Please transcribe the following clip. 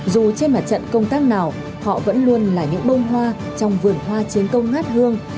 dù trên mặt trận công tác nào họ vẫn luôn là những bông hoa trong vườn hoa chiến công hát hương